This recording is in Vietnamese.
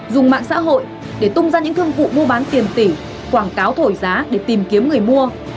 dùng mạng xã hội để tung ra những thương vụ mua bán tiền tỷ quảng cáo thổi giá để tìm kiếm người mua